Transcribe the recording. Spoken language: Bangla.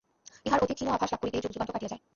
ইহার অতি ক্ষীণ আভাস লাভ করিতেই যুগযুগান্ত কাটিয়া যায়।